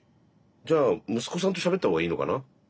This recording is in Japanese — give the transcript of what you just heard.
じゃあ息子さんとしゃべった方がいいのかな？